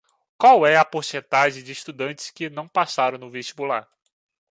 Qual é a porcentagem de estudantes que não passaram no vestibular?